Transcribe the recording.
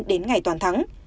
đến ngày toàn thắng